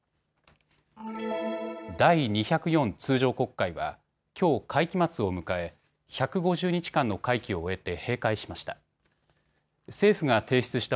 第２０４通常国会はきょう会期末を迎え１５０日間の会期を終えて閉会しました。